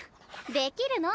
できるの？